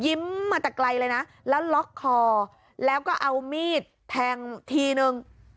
มาแต่ไกลเลยนะแล้วล็อกคอแล้วก็เอามีดแทงทีนึง